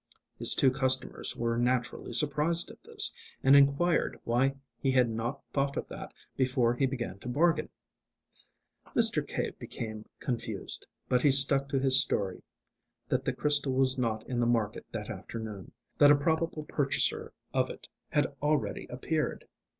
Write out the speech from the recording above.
His two customers were naturally surprised at this, and inquired why he had not thought of that before he began to bargain. Mr. Cave became confused, but he stuck to his story, that the crystal was not in the market that afternoon, that a probable purchaser of it had already appeared.